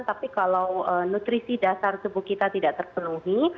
tapi kalau nutrisi dasar tubuh kita tidak terpenuhi